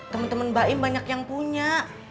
temen temen mbak im banyak yang punya